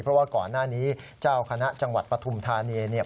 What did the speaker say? เพราะว่าก่อนหน้านี้เจ้าคณะจังหวัดปฐุมธานีเนี่ย